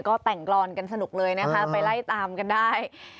ก็แต่งกรอนกันสนุกเลยนะคะไปไล่ตามกันได้